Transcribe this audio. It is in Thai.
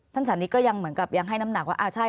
สันนิกก็ยังเหมือนกับยังให้น้ำหนักว่าอ่าใช่